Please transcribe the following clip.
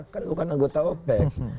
kan bukan anggota opec